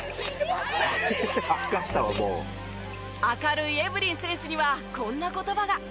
明るいエブリン選手にはこんな言葉が。